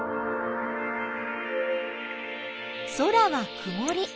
空はくもり。